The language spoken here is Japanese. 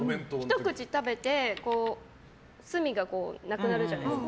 ひと口食べて隅がなくなるじゃないですか。